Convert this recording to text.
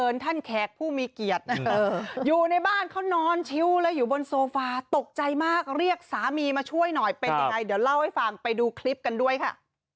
ท่านแขกผู้มีเกียรติอยู่ในบ้านเขานอนชิวเลยอยู่บนโซฟาตกใจมากเรียกสามีมาช่วยหน่อยเป็นยังไงเดี๋ยวเล่าให้ฟังไปดูคลิปกันด้วยค่ะ